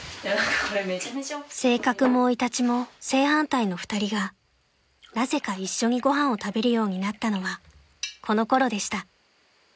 ［性格も生い立ちも正反対の２人がなぜか一緒にご飯を食べるようになったのはこのころでした］